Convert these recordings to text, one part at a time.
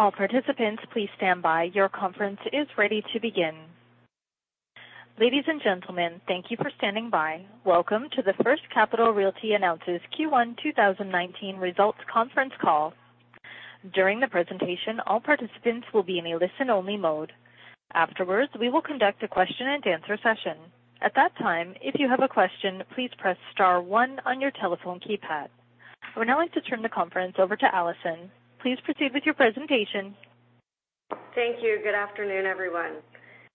All participants, please stand by. Your conference is ready to begin. Ladies and gentlemen, thank you for standing by. Welcome to the First Capital Realty Announces Q1 2019 Results Conference Call. During the presentation, all participants will be in a listen-only mode. Afterwards, we will conduct a question-and-answer session. At that time, if you have a question, please press star one on your telephone keypad. I would now like to turn the conference over to Allison. Please proceed with your presentation. Thank you. Good afternoon, everyone.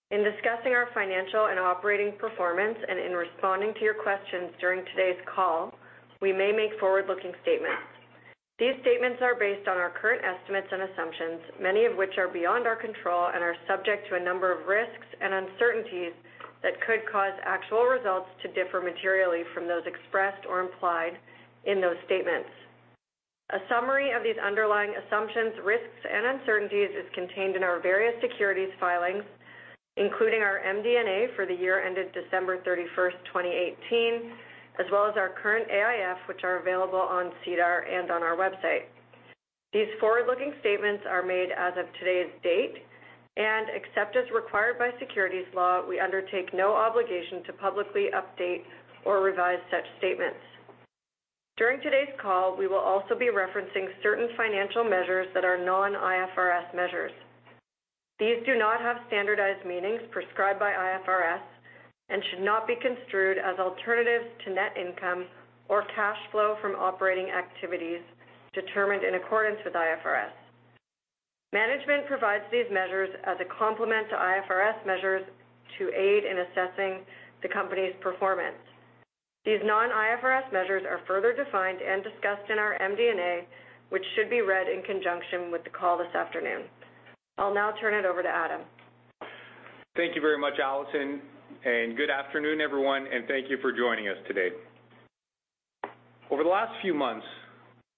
In discussing our financial and operating performance and in responding to your questions during today's call, we may make forward-looking statements. These statements are based on our current estimates and assumptions, many of which are beyond our control and are subject to a number of risks and uncertainties that could cause actual results to differ materially from those expressed or implied in those statements. A summary of these underlying assumptions, risks, and uncertainties is contained in our various securities filings, including our MD&A for the year ended December 31st, 2018, as well as our current AIF, which are available on SEDAR and on our website. These forward-looking statements are made as of today's date, and except as required by securities law, we undertake no obligation to publicly update or revise such statements. During today's call, we will also be referencing certain financial measures that are non-IFRS measures. These do not have standardized meanings prescribed by IFRS and should not be construed as alternatives to net income or cash flow from operating activities determined in accordance with IFRS. Management provides these measures as a complement to IFRS measures to aid in assessing the company's performance. These non-IFRS measures are further defined and discussed in our MD&A, which should be read in conjunction with the call this afternoon. I'll now turn it over to Adam. Thank you very much, Allison, and good afternoon, everyone, and thank you for joining us today. Over the last few months,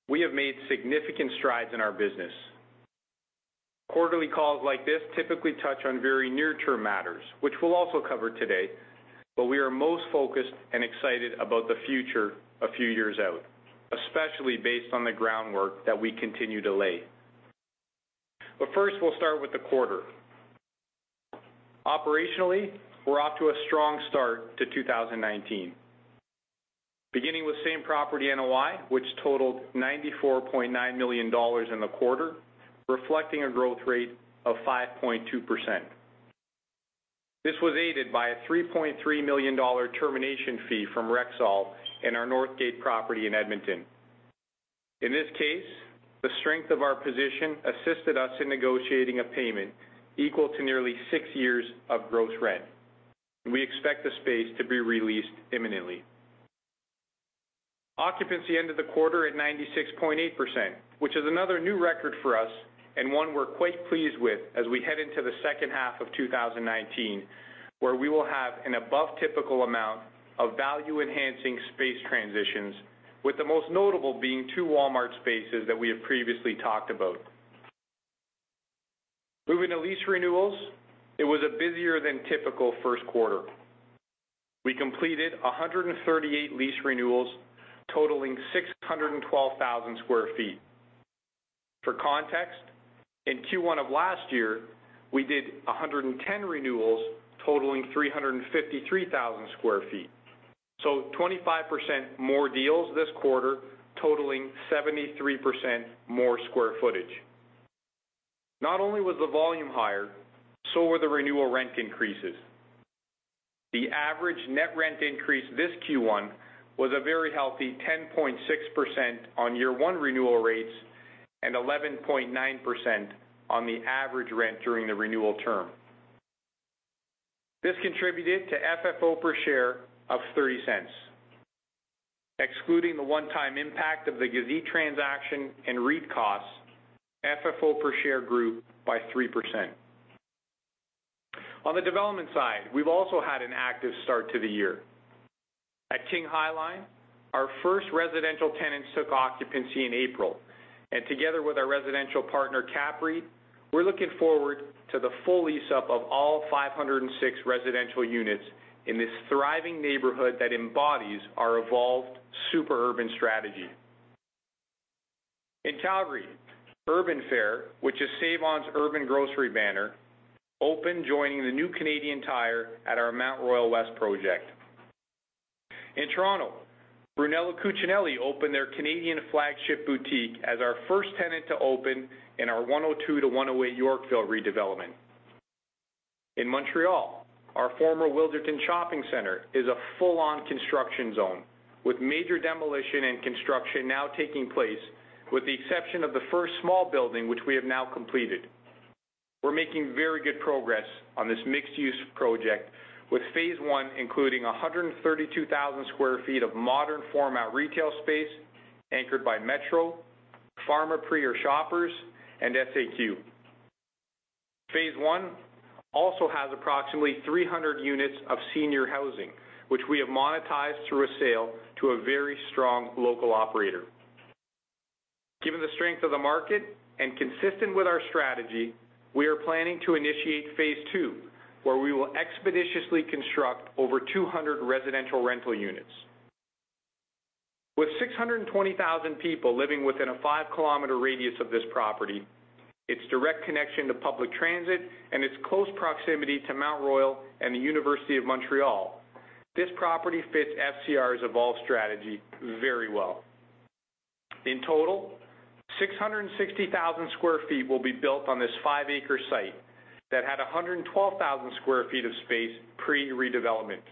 we have made significant strides in our business. Quarterly calls like this typically touch on very near-term matters, which we'll also cover today, but we are most focused and excited about the future a few years out, especially based on the groundwork that we continue to lay. But first, we'll start with the quarter. Operationally, we're off to a strong start to 2019. Beginning with same property NOI, which totaled 94.9 million dollars in the quarter, reflecting a growth rate of 5.2%. This was aided by a 3.3 million dollar termination fee from Rexall in our Northgate property in Edmonton. In this case, the strength of our position assisted us in negotiating a payment equal to nearly six years of gross rent. We expect the space to be released imminently. Occupancy ended the quarter at 96.8%, which is another new record for us and one we're quite pleased with as we head into the second half of 2019, where we will have an above-typical amount of value-enhancing space transitions, with the most notable being two Walmart spaces that we have previously talked about. Moving to lease renewals, it was a busier-than-typical first quarter. We completed 138 lease renewals totaling 612,000 square feet. For context, in Q1 of last year, we did 110 renewals totaling 353,000 square feet. 25% more deals this quarter, totaling 73% more square footage. Not only was the volume higher, so were the renewal rent increases. The average net rent increase this Q1 was a very healthy 10.6% on year-one renewal rates and 11.9% on the average rent during the renewal term. This contributed to FFO per share of 0.30. Excluding the one-time impact of the Gazit transaction and REIT costs, FFO per share grew by 3%. On the development side, we've also had an active start to the year. At King High Line, our first residential tenants took occupancy in April, and together with our residential partner, CAPREIT, we're looking forward to the full lease-up of all 506 residential units in this thriving neighborhood that embodies our evolved super urban strategy. In Calgary, Urban Fare, which is Save-On-Foods' urban grocery banner, opened, joining the new Canadian Tire at our Mount Royal West project. In Toronto, Brunello Cucinelli opened their Canadian flagship boutique as our first tenant to open in our 102 to 108 Yorkville redevelopment. In Montreal, our former Wilderton Shopping Center is a full-on construction zone, with major demolition and construction now taking place, with the exception of the first small building, which we have now completed. We're making very good progress on this mixed-use project, with phase 1 including 132,000 square feet of modern format retail space anchored by Metro, Pharmaprix or Shoppers, and SAQ. Phase 1 also has approximately 300 units of senior housing, which we have monetized through a sale to a very strong local operator. Given the strength of the market and consistent with our strategy, we are planning to initiate phase 2, where we will expeditiously construct over 200 residential rental units. With 620,000 people living within a five-kilometer radius of this property, its direct connection to public transit, and its close proximity to Mount Royal and the Université de Montréal, this property fits FCR's evolved strategy very well. In total, 660,000 square feet will be built on this five-acre site that had 112,000 square feet of space pre-redevelopment.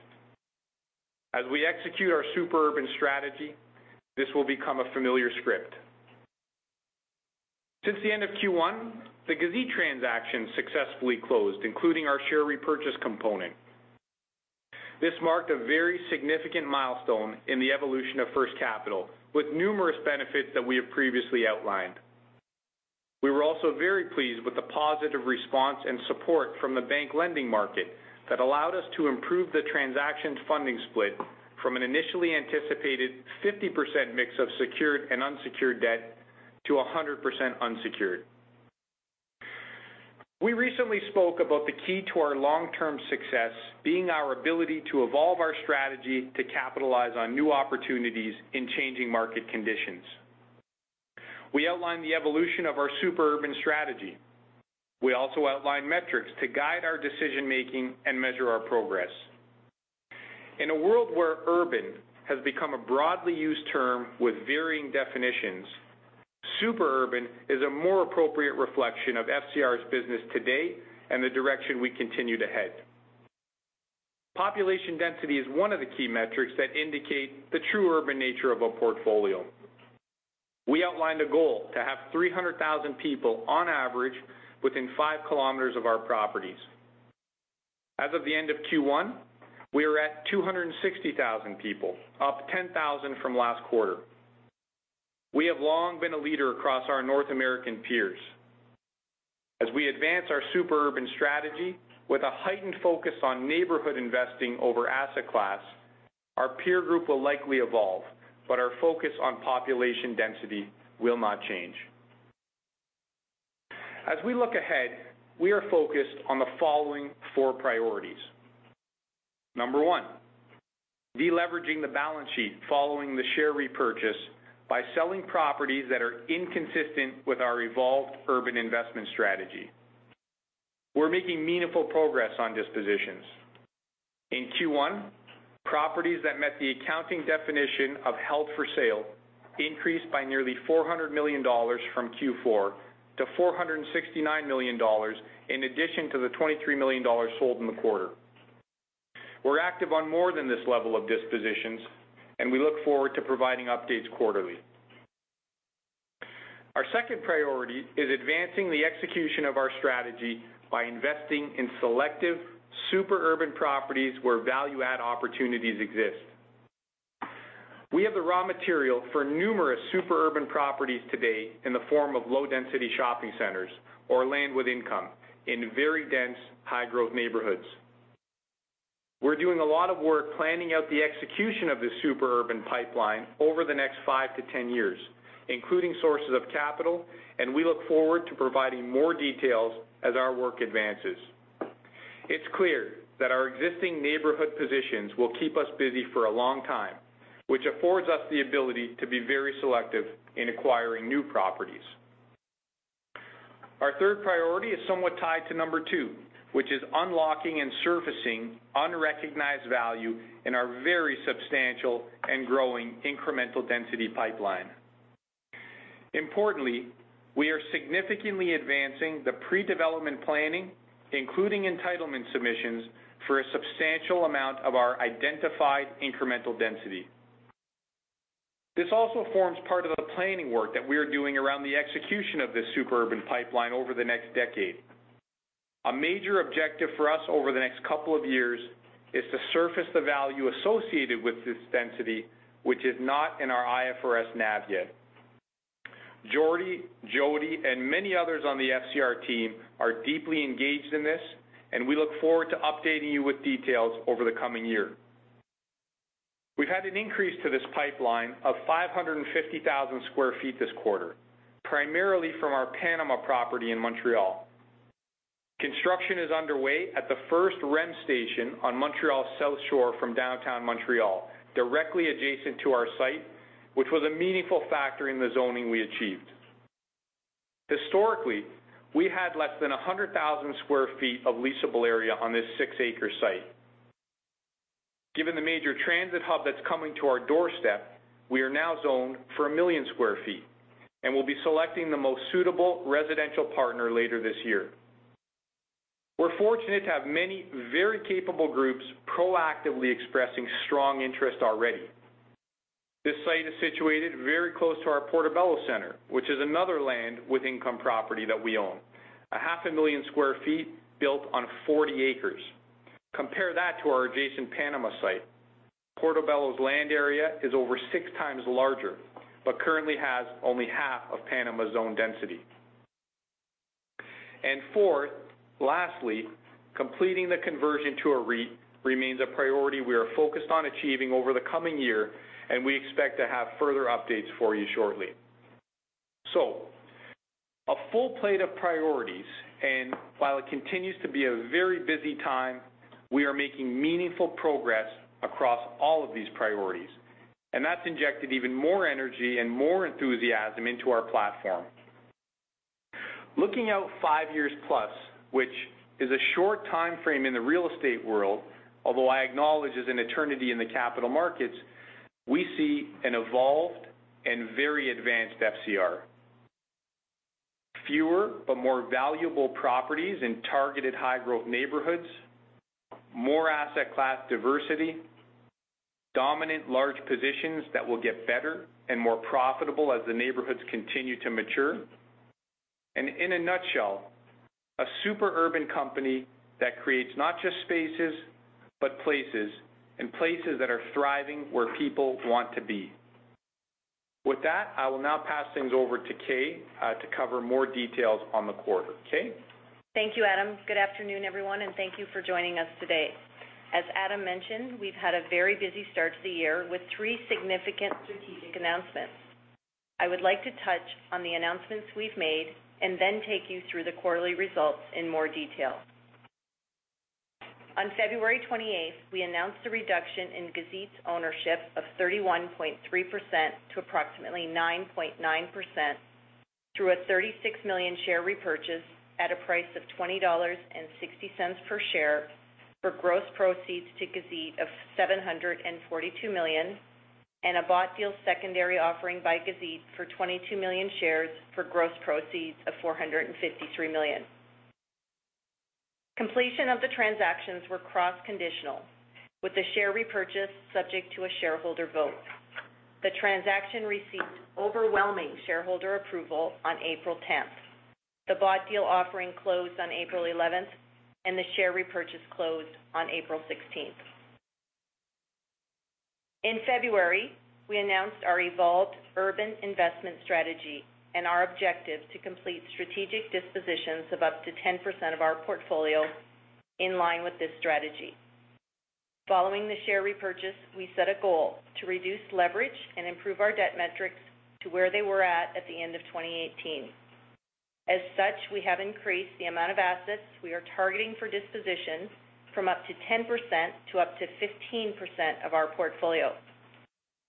As we execute our super urban strategy, this will become a familiar script. Since the end of Q1, the Gazit transaction successfully closed, including our share repurchase component. This marked a very significant milestone in the evolution of First Capital, with numerous benefits that we have previously outlined. We were also very pleased with the positive response and support from the bank lending market that allowed us to improve the transaction funding split from an initially anticipated 50% mix of secured and unsecured debt to 100% unsecured. We recently spoke about the key to our long-term success being our ability to evolve our strategy to capitalize on new opportunities in changing market conditions. We outlined the evolution of our super urban strategy. We also outlined metrics to guide our decision-making and measure our progress. In a world where urban has become a broadly used term with varying definitions, super urban is a more appropriate reflection of FCR's business today and the direction we continue to head. Population density is one of the key metrics that indicate the true urban nature of a portfolio. We outlined a goal to have 300,000 people on average within five kilometers of our properties. As of the end of Q1, we are at 260,000 people, up 10,000 from last quarter. We have long been a leader across our North American peers. As we advance our super urban strategy with a heightened focus on neighborhood investing over asset class, our peer group will likely evolve, but our focus on population density will not change. As we look ahead, we are focused on the following four priorities. Number one, de-leveraging the balance sheet following the share repurchase by selling properties that are inconsistent with our evolved urban investment strategy. We are making meaningful progress on dispositions. In Q1, properties that met the accounting definition of held for sale increased by nearly 400 million dollars from Q4 to 469 million dollars, in addition to the 23 million dollars sold in the quarter. We are active on more than this level of dispositions, and we look forward to providing updates quarterly. Our second priority is advancing the execution of our strategy by investing in selective super urban properties where value-add opportunities exist. We have the raw material for numerous super urban properties today in the form of low-density shopping centers or land with income in very dense, high-growth neighborhoods. We are doing a lot of work planning out the execution of this super urban pipeline over the next five to 10 years, including sources of capital, and we look forward to providing more details as our work advances. It is clear that our existing neighborhood positions will keep us busy for a long time, which affords us the ability to be very selective in acquiring new properties. Our third priority is somewhat tied to number two, which is unlocking and surfacing unrecognized value in our very substantial and growing incremental density pipeline. Importantly, we are significantly advancing the pre-development planning, including entitlement submissions, for a substantial amount of our identified incremental density. This also forms part of the planning work that we are doing around the execution of this super urban pipeline over the next decade. A major objective for us over the next couple of years is to surface the value associated with this density, which is not in our IFRS NAV yet. Jordie, Jodi, and many others on the FCR team are deeply engaged in this, and we look forward to updating you with details over the coming year. We have had an increase to this pipeline of 550,000 square feet this quarter, primarily from our Panama property in Montreal. Construction is underway at the first REM station on Montreal's South Shore from downtown Montreal, directly adjacent to our site, which was a meaningful factor in the zoning we achieved. Historically, we had less than 100,000 square feet of leasable area on this six-acre site. Given the major transit hub that's coming to our doorstep, we are now zoned for 1 million sq ft and will be selecting the most suitable residential partner later this year. We're fortunate to have many very capable groups proactively expressing strong interest already. This site is situated very close to our Place Portobello, which is another land with income property that we own. A half a million sq ft built on 40 acres. Compare that to our adjacent Place Panama. Place Portobello's land area is over 6 times larger, but currently has only half of Place Panama's zone density. Fourth, lastly, completing the conversion to a REIT remains a priority we are focused on achieving over the coming year, and we expect to have further updates for you shortly. A full plate of priorities. While it continues to be a very busy time, we are making meaningful progress across all of these priorities. That's injected even more energy and more enthusiasm into our platform. Looking out 5 years plus, which is a short timeframe in the real estate world, although I acknowledge is an eternity in the capital markets, we see an evolved and very advanced FCR. Fewer but more valuable properties in targeted high-growth neighborhoods, more asset class diversity, dominant large positions that will get better and more profitable as the neighborhoods continue to mature. In a nutshell, a super urban company that creates not just spaces, but places. Places that are thriving, where people want to be. With that, I will now pass things over to Kay to cover more details on the quarter. Kay? Thank you, Adam. Good afternoon, everyone, and thank you for joining us today. As Adam mentioned, we've had a very busy start to the year with three significant strategic announcements. I would like to touch on the announcements we've made, and then take you through the quarterly results in more detail. On February 28th, we announced a reduction in Gazit's ownership of 31.3% to approximately 9.9% through a 36 million share repurchase at a price of 20.60 dollars per share for gross proceeds to Gazit of 742 million, and a bought deal secondary offering by Gazit for 22 million shares for gross proceeds of 453 million. Completion of the transactions were cross-conditional, with the share repurchase subject to a shareholder vote. The transaction received overwhelming shareholder approval on April 10th. The bought deal offering closed on April 11th, and the share repurchase closed on April 16th. In February, we announced our evolved urban investment strategy and our objective to complete strategic dispositions of up to 10% of our portfolio in line with this strategy. Following the share repurchase, we set a goal to reduce leverage and improve our debt metrics to where they were at the end of 2018. As such, we have increased the amount of assets we are targeting for disposition from up to 10% to up to 15% of our portfolio.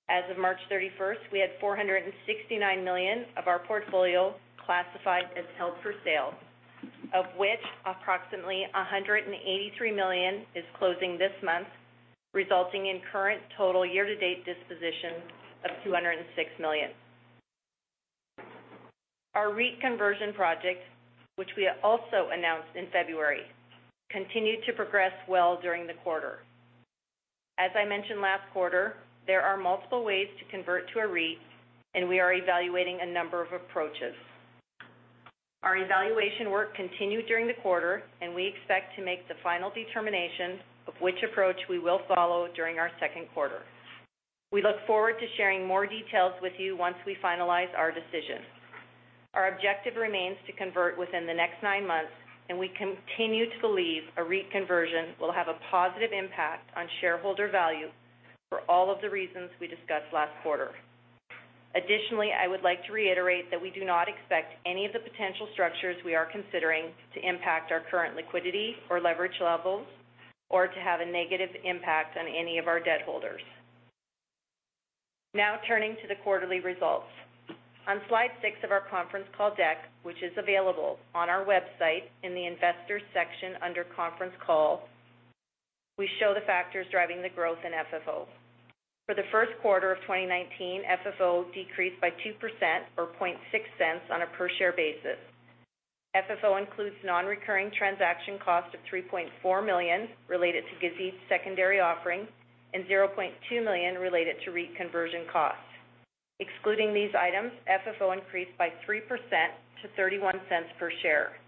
As of March 31st, we had 469 million of our portfolio classified as held for sale, of which approximately 183 million is closing this month, resulting in current total year-to-date dispositions of 206 million. Our REIT conversion project, which we also announced in February, continued to progress well during the quarter. As I mentioned last quarter, there are multiple ways to convert to a REIT. We are evaluating a number of approaches. Our evaluation work continued during the quarter, and we expect to make the final determination of which approach we will follow during our second quarter. We look forward to sharing more details with you once we finalize our decision. Our objective remains to convert within the next 9 months, and we continue to believe a REIT conversion will have a positive impact on shareholder value for all of the reasons we discussed last quarter. Additionally, I would like to reiterate that we do not expect any of the potential structures we are considering to impact our current liquidity or leverage levels, or to have a negative impact on any of our debt holders. Now, turning to the quarterly results. On slide six of our conference call deck, which is available on our website in the Investors section under Conference Call, we show the factors driving the growth in FFO. For the first quarter of 2019, FFO decreased by 2%, or 0.006 on a per share basis. FFO includes non-recurring transaction costs of 3.4 million related to Gazit's secondary offering and 0.2 million related to REIT conversion costs. Excluding these items, FFO increased by 3% to 0.31 per share.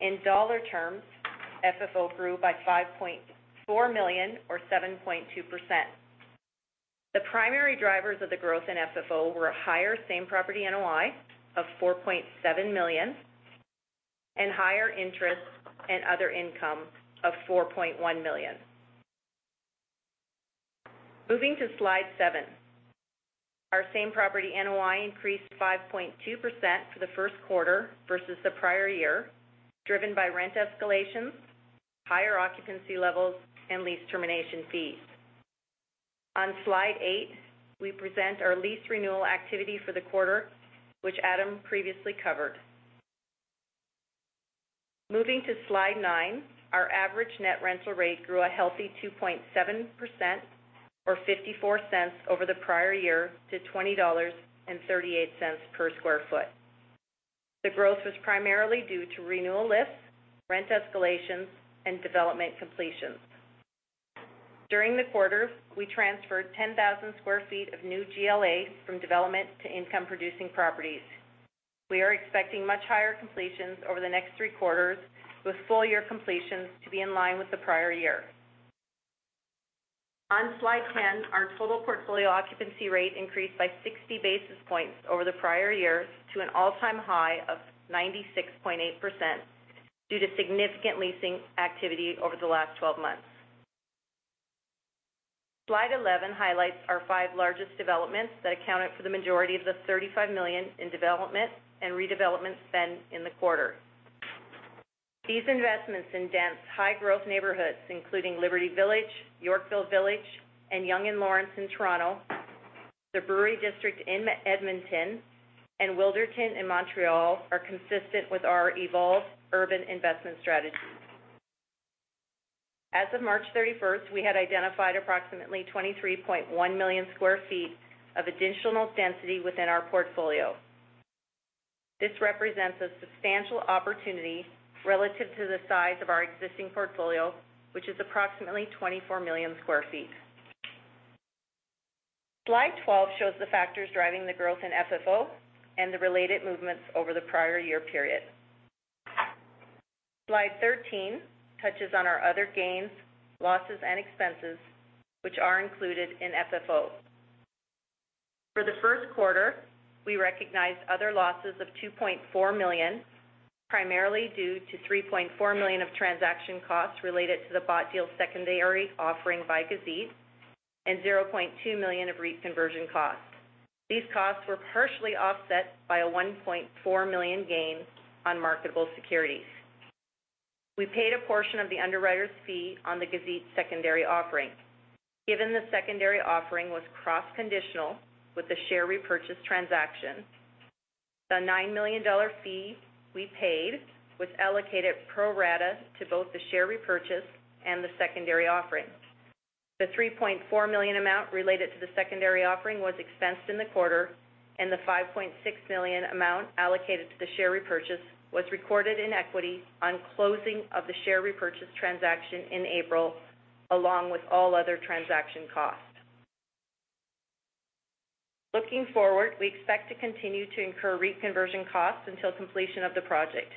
In dollar terms, FFO grew by 5.4 million, or 7.2%. The primary drivers of the growth in FFO were a higher same-property NOI of 4.7 million and higher interest and other income of 4.1 million. Moving to slide seven. Our same-property NOI increased 5.2% for the first quarter versus the prior year, driven by rent escalations, higher occupancy levels, and lease termination fees. On slide eight, we present our lease renewal activity for the quarter, which Adam previously covered. Moving to slide nine, our average net rental rate grew a healthy 2.7%, or 0.54 over the prior year, to 20.38 dollars per sq ft. The growth was primarily due to renewal lists, rent escalations, and development completions. During the quarter, we transferred 10,000 sq ft of new GLA from development to income-producing properties. We are expecting much higher completions over the next 3 quarters, with full-year completions to be in line with the prior year. On slide 10, our total portfolio occupancy rate increased by 60 basis points over the prior year to an all-time high of 96.8% due to significant leasing activity over the last 12 months. Slide 11 highlights our five largest developments that accounted for the majority of the 35 million in development and redevelopment spend in the quarter. These investments in dense, high-growth neighborhoods, including Liberty Village, Yorkville Village, and Yonge and Lawrence in Toronto, the Brewery District in Edmonton, and Wilderton in Montreal, are consistent with our evolved urban investment strategy. As of March 31st, we had identified approximately 23.1 million sq ft of additional density within our portfolio. This represents a substantial opportunity relative to the size of our existing portfolio, which is approximately 24 million sq ft. Slide 12 shows the factors driving the growth in FFO and the related movements over the prior year period. Slide 13 touches on our other gains, losses, and expenses, which are included in FFO. For the first quarter, we recognized other losses of 2.4 million, primarily due to 3.4 million of transaction costs related to the bought deal's secondary offering by Gazit, and 0.2 million of REIT conversion costs. These costs were partially offset by a 1.4 million gain on marketable securities. We paid a portion of the underwriter's fee on the Gazit secondary offering. Given the secondary offering was cross-conditional with the share repurchase transaction, the 9 million dollar fee we paid was allocated pro rata to both the share repurchase and the secondary offering. The 3.4 million amount related to the secondary offering was expensed in the quarter, and the 5.6 million amount allocated to the share repurchase was recorded in equity on closing of the share repurchase transaction in April, along with all other transaction costs. Looking forward, we expect to continue to incur REIT conversion costs until completion of the project.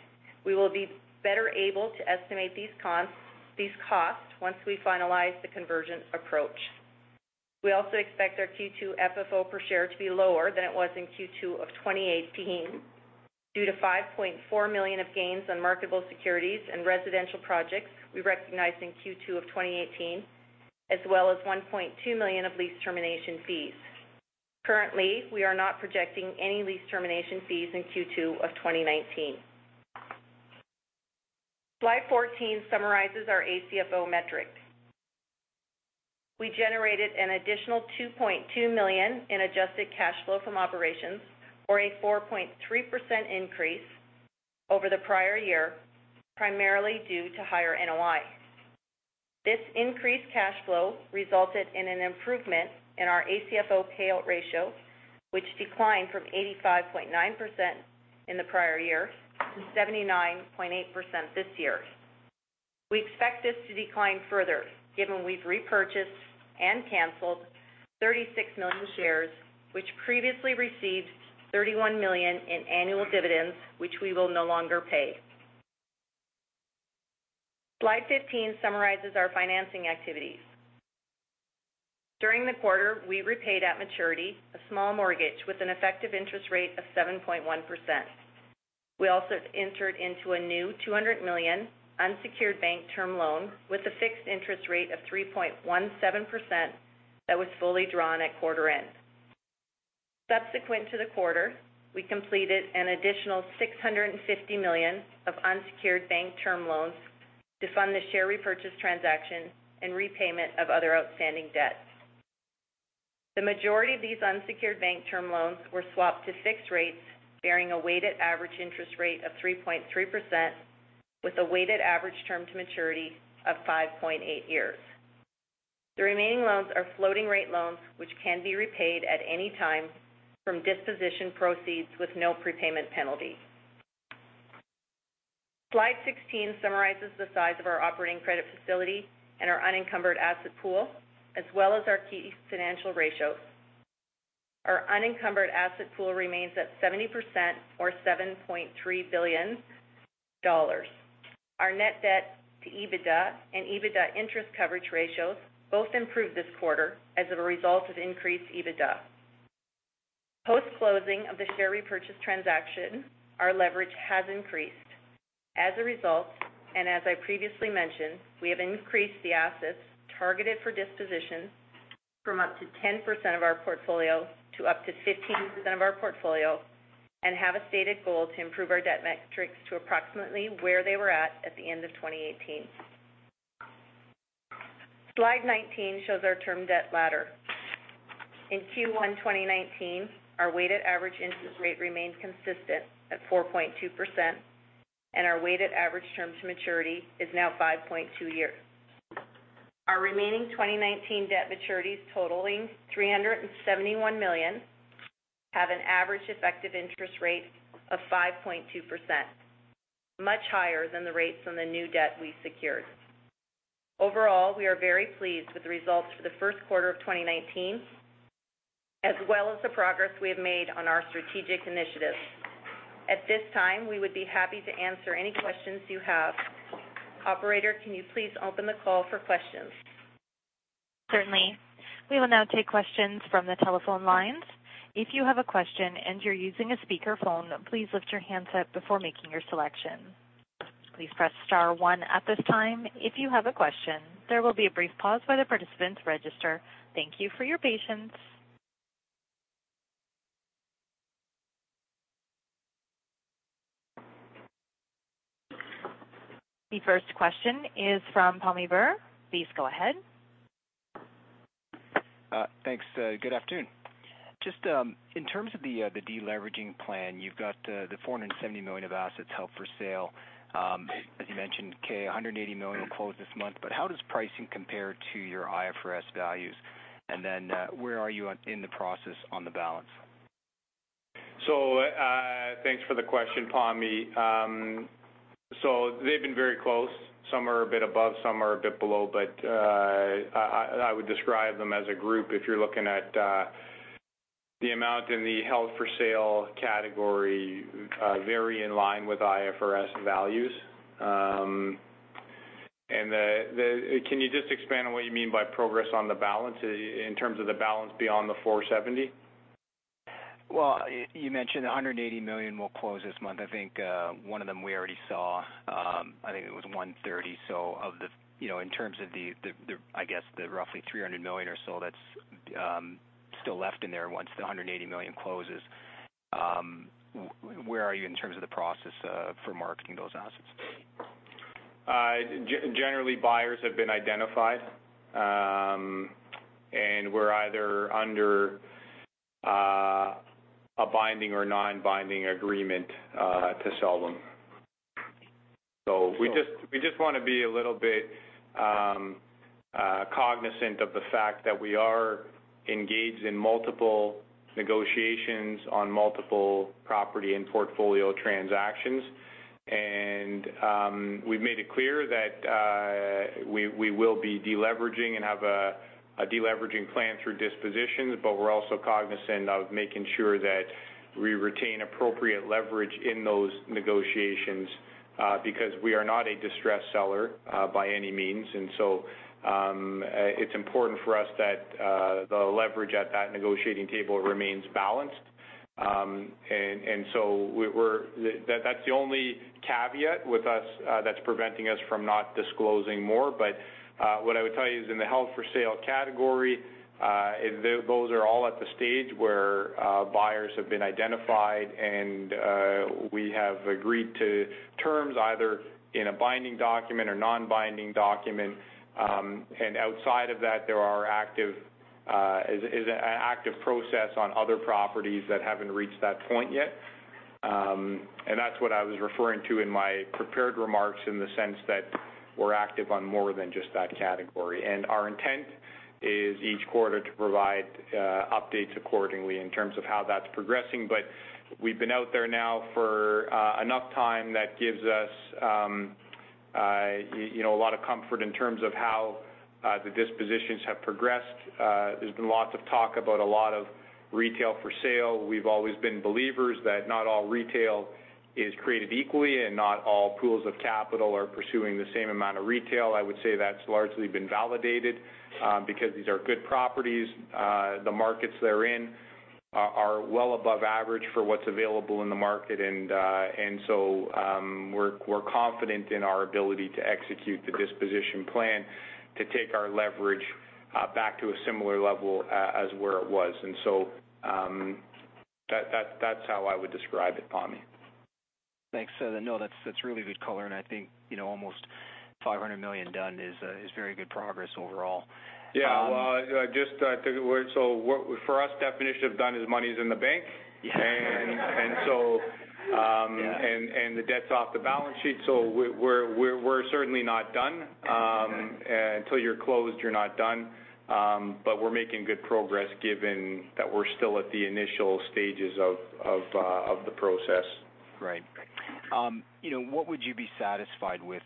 We will be better able to estimate these costs once we finalize the conversion approach. We also expect our Q2 FFO per share to be lower than it was in Q2 of 2018 due to 5.4 million of gains on marketable securities and residential projects we recognized in Q2 of 2018, as well as 1.2 million of lease termination fees. Currently, we are not projecting any lease termination fees in Q2 of 2019. Slide 14 summarizes our ACFO metric. We generated an additional 2.2 million in adjusted cash flow from operations, or a 4.3% increase over the prior year, primarily due to higher NOI. This increased cash flow resulted in an improvement in our ACFO payout ratio, which declined from 85.9% in the prior year to 79.8% this year. We expect this to decline further given we've repurchased and canceled 36 million shares, which previously received 31 million in annual dividends, which we will no longer pay. Slide 15 summarizes our financing activities. During the quarter, we repaid at maturity a small mortgage with an effective interest rate of 7.1%. We also entered into a new 200 million unsecured bank term loan with a fixed interest rate of 3.17% that was fully drawn at quarter-end. Subsequent to the quarter, we completed an additional 650 million of unsecured bank term loans to fund the share repurchase transaction and repayment of other outstanding debts. The majority of these unsecured bank term loans were swapped to fixed rates, bearing a weighted average interest rate of 3.3% with a weighted average term to maturity of 5.8 years. The remaining loans are floating rate loans, which can be repaid at any time from disposition proceeds with no prepayment penalty. Slide 16 summarizes the size of our operating credit facility and our unencumbered asset pool, as well as our key financial ratios. Our unencumbered asset pool remains at 70%, or 7.3 billion dollars. Our net debt to EBITDA and EBITDA interest coverage ratios both improved this quarter as a result of increased EBITDA. Post-closing of the share repurchase transaction, our leverage has increased. As a result, as I previously mentioned, we have increased the assets targeted for disposition from up to 10% of our portfolio to up to 15% of our portfolio, and have a stated goal to improve our debt metrics to approximately where they were at the end of 2018. Slide 19 shows our term debt ladder. In Q1 2019, our weighted average interest rate remains consistent at 4.2%, and our weighted average term to maturity is now 5.2 years. Our remaining 2019 debt maturities totaling 371 million have an average effective interest rate of 5.2%, much higher than the rates on the new debt we secured. Overall, we are very pleased with the results for the first quarter of 2019, as well as the progress we have made on our strategic initiatives. At this time, we would be happy to answer any questions you have. Operator, can you please open the call for questions? Certainly. We will now take questions from the telephone lines. If you have a question and you're using a speakerphone, please lift your handset before making your selection. Please press star one at this time if you have a question. There will be a brief pause while the participants register. Thank you for your patience. The first question is from Pammi Bir. Please go ahead. Thanks. Good afternoon. Just in terms of the deleveraging plan, you've got the 470 million of assets held for sale. As you mentioned, Kay, 180 million will close this month. How does pricing compare to your IFRS values? Where are you in the process on the balance? Thanks for the question, Pammi. They've been very close. Some are a bit above, some are a bit below, but I would describe them as a group, if you're looking at the amount in the held for sale category, very in line with IFRS values. Can you just expand on what you mean by progress on the balance in terms of the balance beyond the 470? You mentioned 180 million will close this month. I think, one of them we already saw, I think it was 130 million. In terms of the, I guess, the roughly 300 million or so that's still left in there once the 180 million closes, where are you in terms of the process for marketing those assets? Generally, buyers have been identified, and we're either under a binding or non-binding agreement to sell them. We just want to be a little bit cognizant of the fact that we are engaged in multiple negotiations on multiple property and portfolio transactions. We've made it clear that we will be deleveraging and have a deleveraging plan through dispositions, but we're also cognizant of making sure that we retain appropriate leverage in those negotiations, because we are not a distressed seller by any means. It's important for us that the leverage at that negotiating table remains balanced. That's the only caveat with us that's preventing us from not disclosing more. What I would tell you is in the held for sale category, those are all at the stage where buyers have been identified, and we have agreed to terms either in a binding document or non-binding document. Outside of that, there is an active process on other properties that haven't reached that point yet. That's what I was referring to in my prepared remarks in the sense that we're active on more than just that category. Our intent is each quarter to provide updates accordingly in terms of how that's progressing. We've been out there now for enough time that gives us a lot of comfort in terms of how the dispositions have progressed. There's been lots of talk about a lot of retail for sale. We've always been believers that not all retail is created equally, and not all pools of capital are pursuing the same amount of retail. I would say that's largely been validated, because these are good properties. The markets they're in are well above average for what's available in the market. We're confident in our ability to execute the disposition plan to take our leverage back to a similar level as where it was. That's how I would describe it, Pammi. Thanks. I think almost 500 million done is very good progress overall. Yeah. Well, for us, definition of done is money's in the bank. Yeah. The debt's off the balance sheet. We're certainly not done. Until you're closed, you're not done. We're making good progress given that we're still at the initial stages of the process. Right. What would you be satisfied with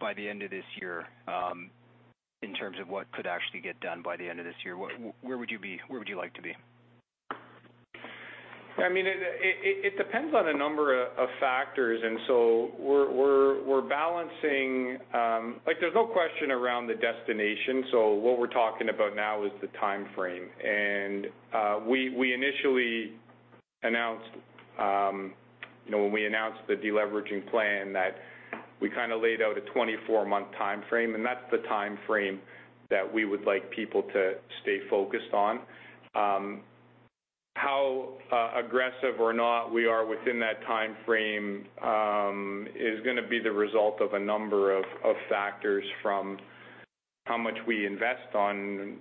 by the end of this year, in terms of what could actually get done by the end of this year? Where would you like to be? It depends on a number of factors. We're balancing. There's no question around the destination. What we're talking about now is the timeframe. We initially, when we announced the deleveraging plan, that we kind of laid out a 24-month timeframe, and that's the timeframe that we would like people to stay focused on. How aggressive or not we are within that timeframe, is going to be the result of a number of factors from how much we invest on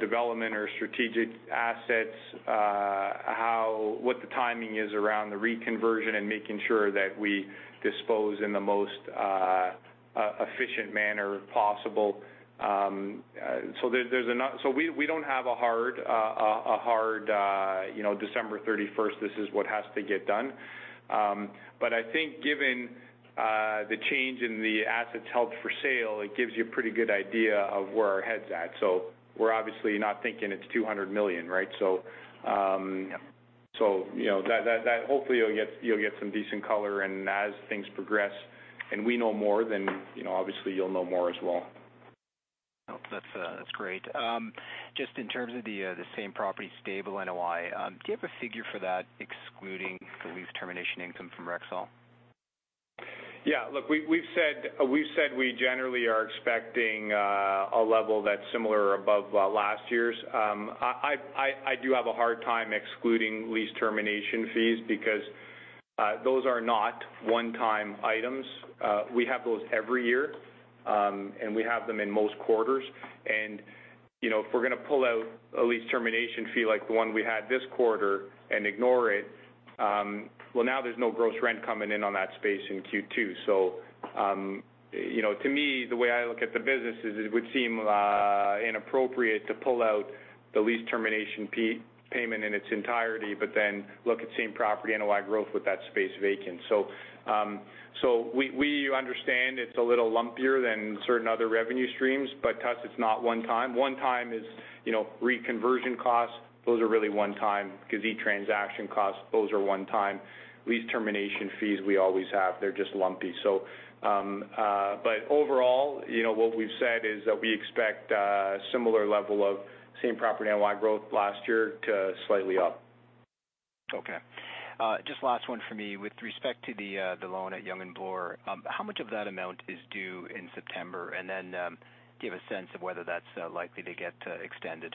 development or strategic assets, what the timing is around the reconversion and making sure that we dispose in the most efficient manner possible. We don't have a hard December 31st, this is what has to get done. I think given the change in the assets held for sale, it gives you a pretty good idea of where our head's at. We're obviously not thinking it's 200 million, right? Yeah. Hopefully you'll get some decent color, and as things progress and we know more, obviously you'll know more as well. That's great. Just in terms of the same-property stable NOI, do you have a figure for that excluding the lease termination income from Rexall? Look, we've said we generally are expecting a level that's similar above last year's. I do have a hard time excluding lease termination fees because those are not one-time items. We have those every year, and we have them in most quarters. If we're going to pull out a lease termination fee like the one we had this quarter and ignore it, well, now there's no gross rent coming in on that space in Q2. To me, the way I look at the business is it would seem inappropriate to pull out the lease termination payment in its entirety, but then look at same property NOI growth with that space vacant. We understand it's a little lumpier than certain other revenue streams, but to us, it's not one time. One time is reconversion costs. Those are really one time. Gazit transaction costs, those are one time. Lease termination fees, we always have. They're just lumpy. Overall, what we've said is that we expect similar level of same-property NOI growth last year to slightly up. Just last one from me. With respect to the loan at Yonge and Bloor, how much of that amount is due in September? Then give a sense of whether that's likely to get extended.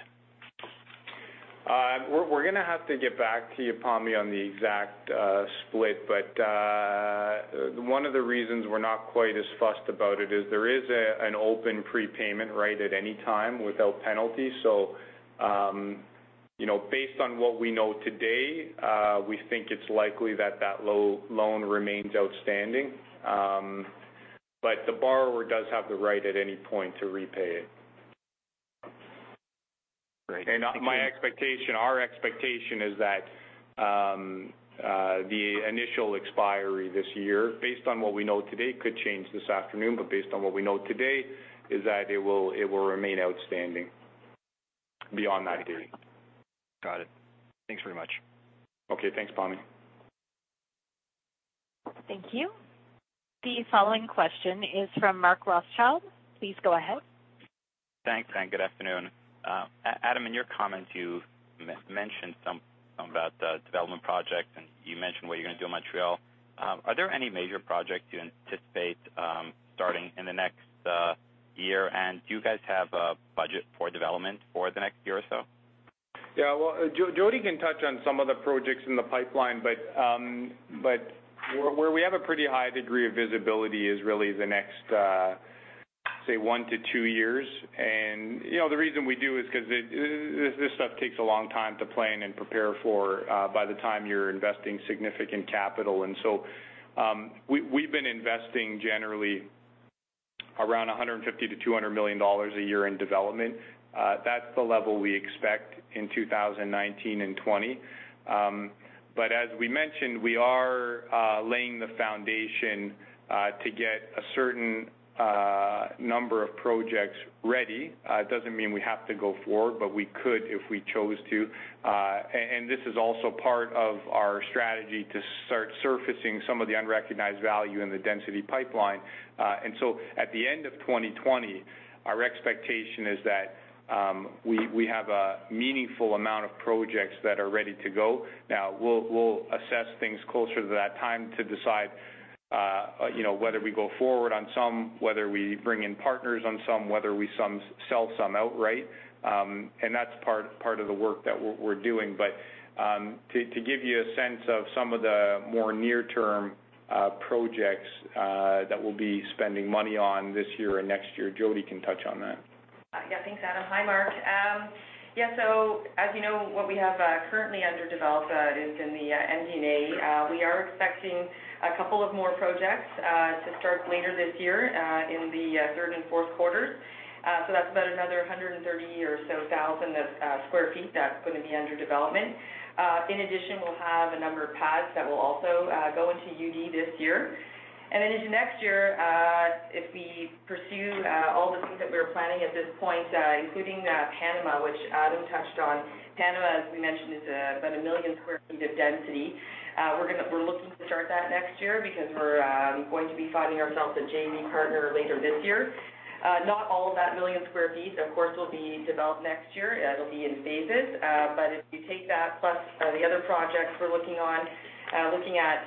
We're going to have to get back to you, Pammi, on the exact split, one of the reasons we're not quite as fussed about it is there is an open prepayment right at any time without penalty. Based on what we know today, we think it's likely that that loan remains outstanding. The borrower does have the right at any point to repay it. Great. Thank you- Our expectation is that the initial expiry this year, based on what we know today, could change this afternoon, but based on what we know today, is that it will remain outstanding beyond that date. Got it. Thanks very much. Okay. Thanks, Pammi. Thank you. The following question is from Mark Rothschild. Please go ahead. Thanks. Good afternoon. Adam, in your comments, you mentioned some about the development project, and you mentioned what you're going to do in Montreal. Are there any major projects you anticipate starting in the next year? Do you guys have a budget for development for the next year or so? Well, Jodi can touch on some of the projects in the pipeline, but where we have a pretty high degree of visibility is really the next, say, one to two years. The reason we do is because this stuff takes a long time to plan and prepare for by the time you're investing significant capital. We've been investing generally around 150 million to 200 million dollars a year in development. That's the level we expect in 2019 and 2020. As we mentioned, we are laying the foundation to get a certain number of projects ready. It doesn't mean we have to go forward, but we could if we chose to. This is also part of our strategy to start surfacing some of the unrecognized value in the density pipeline. At the end of 2020, our expectation is that we have a meaningful amount of projects that are ready to go. Now, we'll assess things closer to that time to decide whether we go forward on some, whether we bring in partners on some, whether we sell some outright. That's part of the work that we're doing. To give you a sense of some of the more near-term projects that we'll be spending money on this year and next year, Jodi can touch on that. Thanks, Adam. Hi, Mark. As you know, what we have currently under development is in the MD&A. We are expecting a couple of more projects to start later this year in the third and fourth quarters. That's about another 130,000 sq ft that's going to be under development. In addition, we'll have a number of pads that will also go into under development this year. Into next year, if we pursue all the things that we're planning at this point, including Panama, which Adam touched on. Panama, as we mentioned, is about 1 million sq ft of density. We're looking to start that next year because we're going to be finding ourselves a JV partner later this year. Not all of that 1 million sq ft, of course, will be developed next year. It'll be in phases. If you take that plus the other projects we're looking on, looking at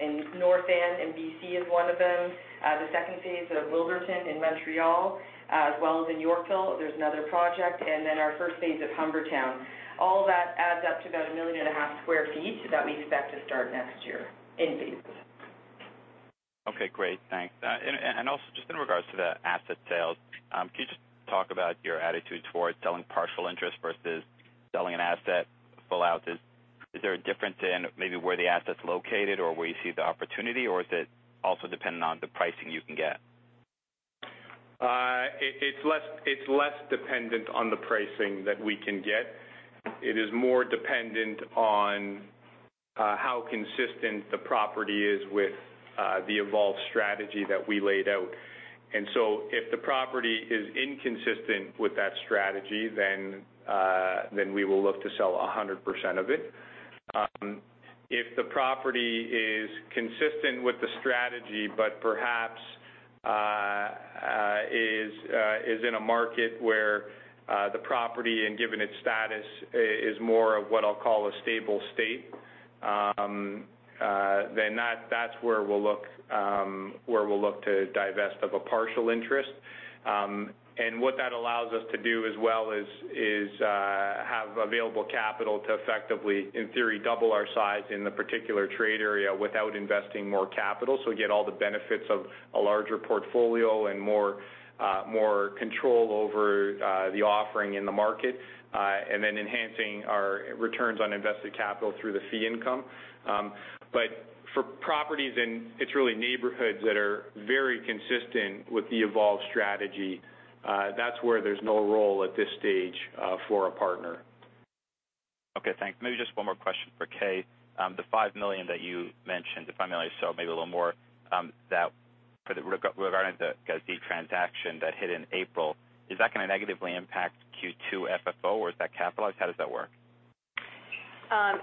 in North Van in B.C. is one of them. The second phase of Wilderton in Montreal as well as in Yorkville, there's another project, and then our first phase of Humbertown. All that adds up to about 1.5 million sq ft that we expect to start next year in phases. Great. Thanks. Just in regards to the asset sales, can you just talk about your attitude towards selling partial interest versus selling an asset full out? Is there a difference in maybe where the asset's located or where you see the opportunity, or is it also dependent on the pricing you can get? It's less dependent on the pricing that we can get. It is more dependent on how consistent the property is with the evolved strategy that we laid out. If the property is inconsistent with that strategy, then we will look to sell 100% of it. If the property is consistent with the strategy, but perhaps is in a market where the property, and given its status, is more of what I'll call a stable state, then that's where we'll look to divest of a partial interest. What that allows us to do as well is have available capital to effectively, in theory, double our size in the particular trade area without investing more capital. We get all the benefits of a larger portfolio and more control over the offering in the market, then enhancing our returns on invested capital through the fee income. For properties, and it's really neighborhoods that are very consistent with the evolved strategy, that's where there's no role at this stage for a partner. Okay, thanks. Maybe just one more question for Kay. The 5 million that you mentioned, if I'm not mistaken, maybe a little more, regarding the transaction that hit in April, is that going to negatively impact Q2 FFO, or is that capitalized? How does that work?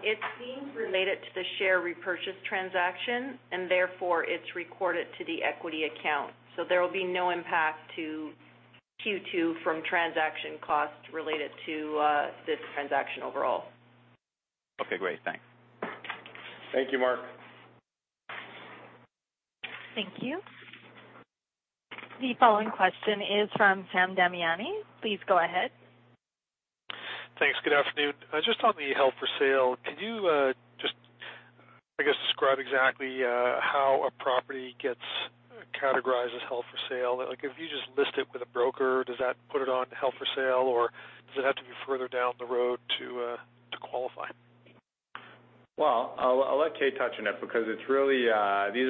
It's being related to the share repurchase transaction, and therefore, it's recorded to the equity account. There will be no impact to Q2 from transaction costs related to this transaction overall. Okay, great. Thanks. Thank you, Mark. Thank you. The following question is from Sam Damiani. Please go ahead. Thanks. Good afternoon. Just on the held-for-sale, can you just, I guess, describe exactly how a property gets categorized as held-for-sale? If you just list it with a broker, does that put it on held-for-sale, or does it have to be further down the road to qualify? Well, I'll let Kay touch on it because these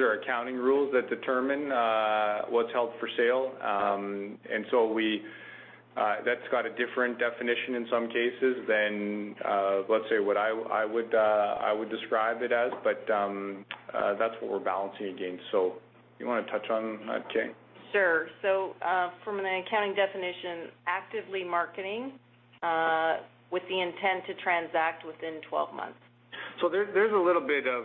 are accounting rules that determine what's held-for-sale. That's got a different definition in some cases than, let's say, what I would describe it as. That's what we're balancing against. Do you want to touch on that, Kay? Sure. From an accounting definition, actively marketing with the intent to transact within 12 months. There's a little bit of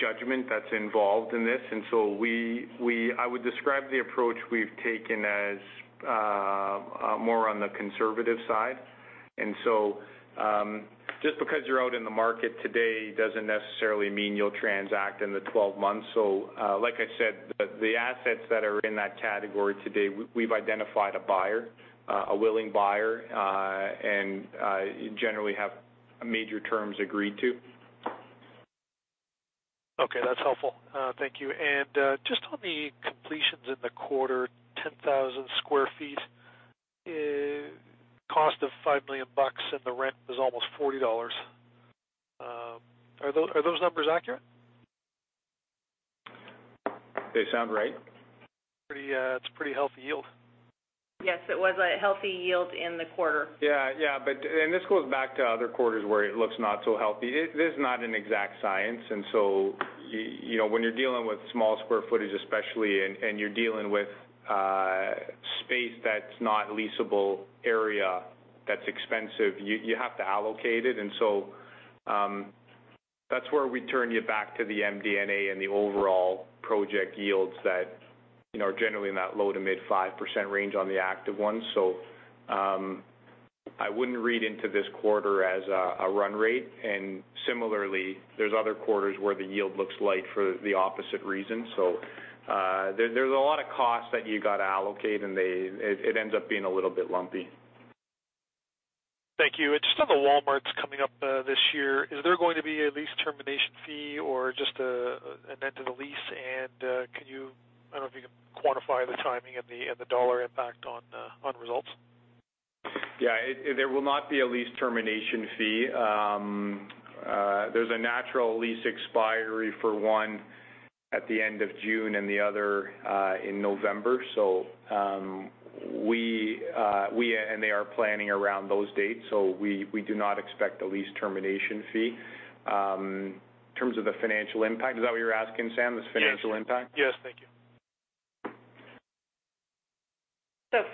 judgment that's involved in this. I would describe the approach we've taken as more on the conservative side. Just because you're out in the market today doesn't necessarily mean you'll transact in the 12 months. Like I said, the assets that are in that category today, we've identified a buyer, a willing buyer, and generally have major terms agreed to. Okay, that's helpful. Thank you. Just on the completions in the quarter, 10,000 sq ft, cost of 5 million bucks, and the rent was almost 40 dollars. Are those numbers accurate? They sound right. It's a pretty healthy yield. Yes, it was a healthy yield in the quarter. Yeah. This goes back to other quarters where it looks not so healthy. This is not an exact science, when you're dealing with small square footage especially, and you're dealing with space that's not leasable area that's expensive, you have to allocate it. That's where we turn you back to the MD&A and the overall project yields that are generally in that low to mid 5% range on the active ones. I wouldn't read into this quarter as a run rate. Similarly, there's other quarters where the yield looks light for the opposite reason. There's a lot of costs that you got to allocate, and it ends up being a little bit lumpy. Thank you. Just on the Walmarts coming up this year, is there going to be a lease termination fee or just an end to the lease? I don't know if you can quantify the timing and the dollar impact on results. Yeah. There will not be a lease termination fee. There's a natural lease expiry for one at the end of June and the other in November. We and they are planning around those dates, so we do not expect a lease termination fee. In terms of the financial impact, is that what you're asking, Sam, this financial impact? Yes. Thank you.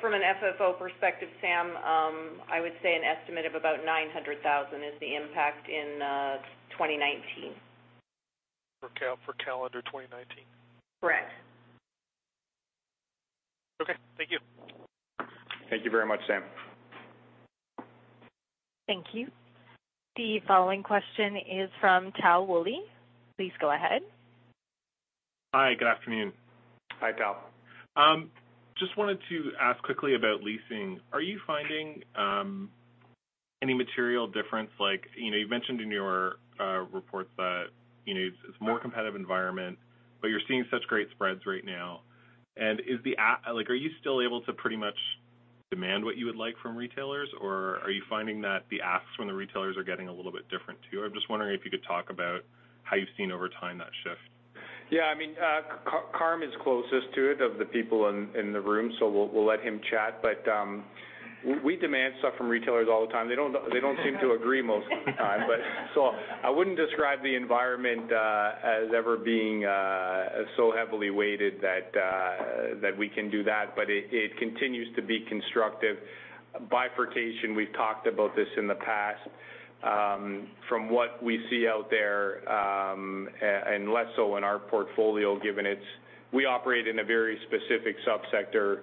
From an FFO perspective, Sam, I would say an estimate of about 900,000 is the impact in 2019. For calendar 2019? Correct. Okay. Thank you. Thank you very much, Sam. Thank you. The following question is from Tal Woolley. Please go ahead. Hi. Good afternoon. Hi, Tal. Just wanted to ask quickly about leasing. Are you finding any material difference? You mentioned in your report that it's a more competitive environment, but you're seeing such great spreads right now. Are you still able to pretty much demand what you would like from retailers, or are you finding that the asks from the retailers are getting a little bit different, too? I'm just wondering if you could talk about how you've seen over time that shift. Yeah. Kay is closest to it of the people in the room, we'll let him chat. We demand stuff from retailers all the time. They don't seem to agree most of the time. I wouldn't describe the environment as ever being so heavily weighted that we can do that. It continues to be constructive. Bifurcation, we've talked about this in the past. From what we see out there, and less so in our portfolio, given we operate in a very specific sub-sector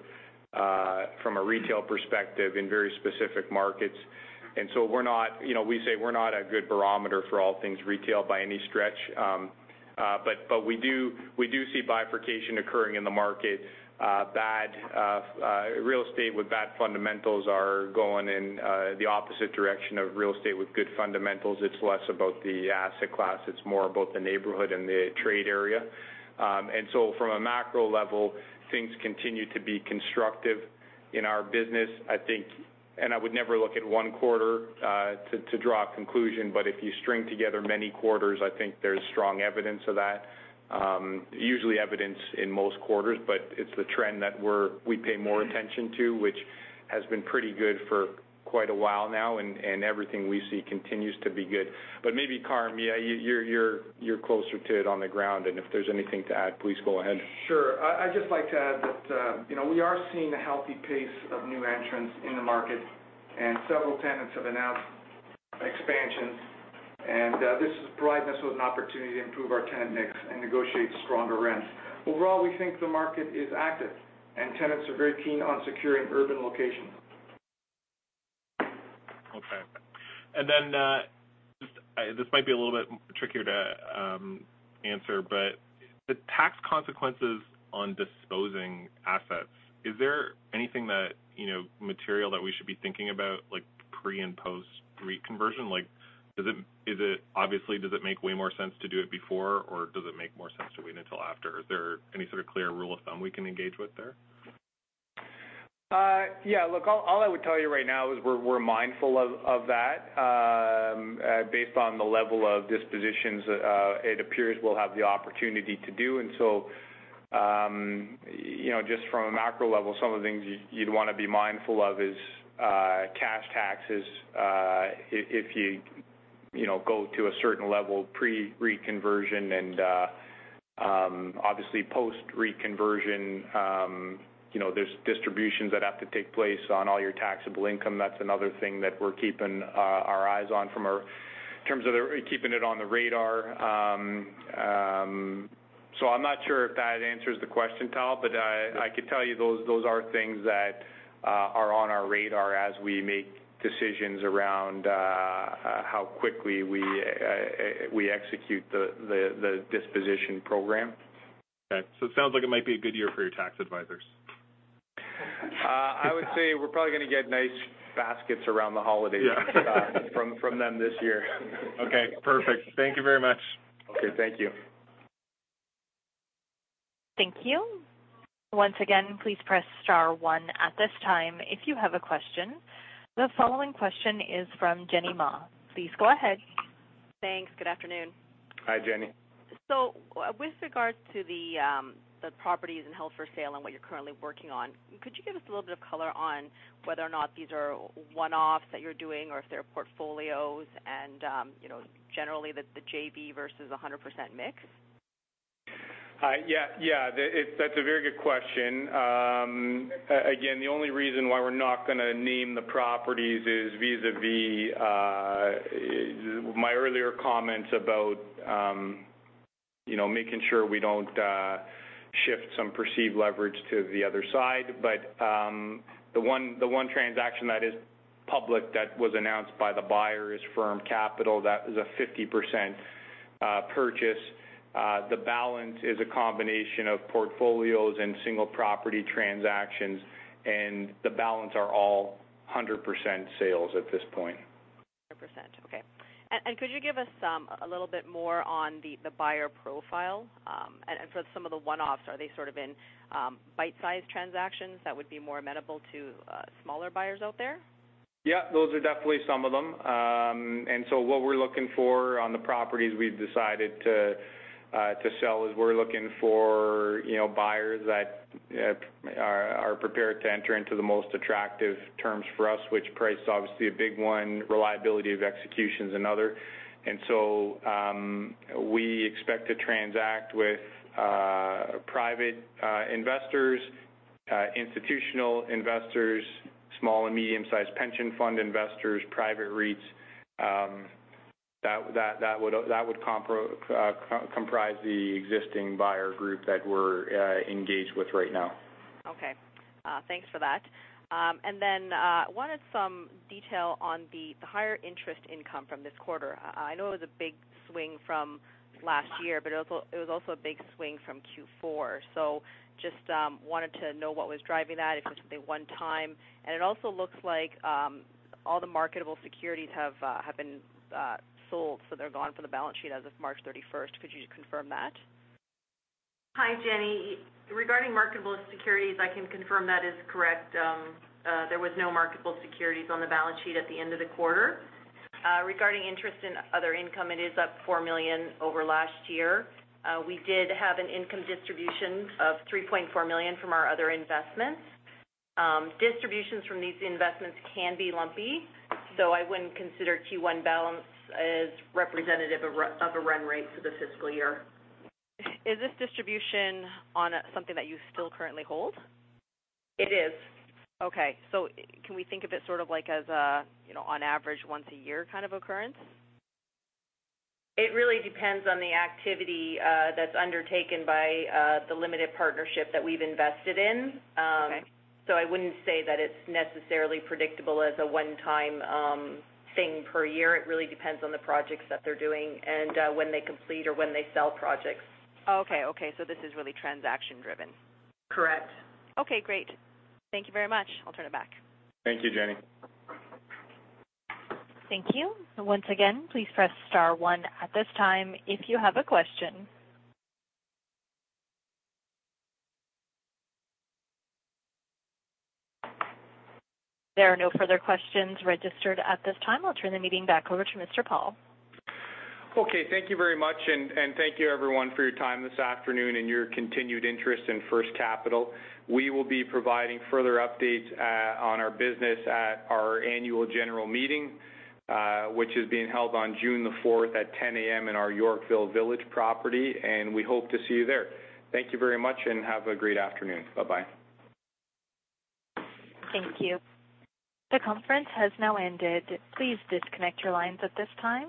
from a retail perspective in very specific markets. We say we're not a good barometer for all things retail by any stretch. We do see bifurcation occurring in the market. Real estate with bad fundamentals are going in the opposite direction of real estate with good fundamentals. It's less about the asset class, it's more about the neighborhood and the trade area. From a macro level, things continue to be constructive in our business. I would never look at one quarter to draw a conclusion, but if you string together many quarters, I think there's strong evidence of that. Usually evidence in most quarters, but it's the trend that we pay more attention to, which has been pretty good for quite a while now, and everything we see continues to be good. Maybe, Kay, you're closer to it on the ground, and if there's anything to add, please go ahead. Sure. I'd just like to add that we are seeing a healthy pace of new entrants in the market, several tenants have announced expansions. This has provided us with an opportunity to improve our tenant mix and negotiate stronger rents. Overall, we think the market is active and tenants are very keen on securing urban locations. Okay. Then, this might be a little bit trickier to answer, the tax consequences on disposing assets, is there anything material that we should be thinking about pre- and post-reconversion? Obviously, does it make way more sense to do it before, or does it make more sense to wait until after? Is there any sort of clear rule of thumb we can engage with there? Look, all I would tell you right now is we're mindful of that. Based on the level of dispositions, it appears we'll have the opportunity to do. Just from a macro level, some of the things you'd want to be mindful of is cash taxes. If you go to a certain level pre-reconversion and obviously post-reconversion, there's distributions that have to take place on all your taxable income. That's another thing that we're keeping our eyes on in terms of keeping it on the radar. I'm not sure if that answers the question, Kyle, but I could tell you those are things that are on our radar as we make decisions around how quickly we execute the disposition program. It sounds like it might be a good year for your tax advisors. I would say we're probably going to get nice baskets around the holidays. Yeah. From them this year. Okay, perfect. Thank you very much. Okay. Thank you. Thank you. Once again, please press star one at this time if you have a question. The following question is from Jenny Ma. Please go ahead. Thanks. Good afternoon. Hi, Jenny. With regards to the properties and held for sale and what you're currently working on, could you give us a little bit of color on whether or not these are one-offs that you're doing or if they're portfolios and, generally the JV versus 100% mix? Yeah. That's a very good question. Again, the only reason why we're not going to name the properties is vis-à-vis my earlier comments about making sure we don't shift some perceived leverage to the other side. The one transaction that is public that was announced by the buyer is Firm Capital. That is a 50% purchase. The balance is a combination of portfolios and single property transactions, and the balance are all 100% sales at this point. 100%, okay. Could you give us a little bit more on the buyer profile? For some of the one-offs, are they sort of in bite-size transactions that would be more amenable to smaller buyers out there? Yeah, those are definitely some of them. What we're looking for on the properties we've decided to sell is we're looking for buyers that are prepared to enter into the most attractive terms for us, which price is obviously a big one, reliability of execution is another. We expect to transact with private investors, institutional investors, small and medium-sized pension fund investors, private REITs. That would comprise the existing buyer group that we're engaged with right now. Okay. Thanks for that. Wanted some detail on the higher interest income from this quarter. I know it was a big swing from last year, it was also a big swing from Q4. Just wanted to know what was driving that, if it's something one time. It also looks like all the marketable securities have been sold, so they're gone from the balance sheet as of March 31st. Could you confirm that? Hi, Jenny. Regarding marketable securities, I can confirm that is correct. There was no marketable securities on the balance sheet at the end of the quarter. Regarding interest in other income, it is up 4 million over last year. We did have an income distribution of 3.4 million from our other investments. Distributions from these investments can be lumpy. I wouldn't consider Q1 balance as representative of a run rate for the fiscal year. Is this distribution on something that you still currently hold? It is. Okay. Can we think of it sort of like as a, on average, once a year kind of occurrence? It really depends on the activity that's undertaken by the limited partnership that we've invested in. Okay. I wouldn't say that it's necessarily predictable as a one-time thing per year. It really depends on the projects that they're doing and when they complete or when they sell projects. Okay. This is really transaction-driven. Correct. Okay, great. Thank you very much. I'll turn it back. Thank you, Jenny. Thank you. Once again, please press star one at this time if you have a question. There are no further questions registered at this time. I will turn the meeting back over to Adam Paul. Okay, thank you very much, and thank you, everyone, for your time this afternoon and your continued interest in First Capital. We will be providing further updates on our business at our annual general meeting, which is being held on June the 4th at 10:00 A.M. in our Yorkville Village property, and we hope to see you there. Thank you very much and have a great afternoon. Bye-bye. Thank you. The conference has now ended. Please disconnect your lines at this time.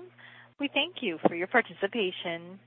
We thank you for your participation.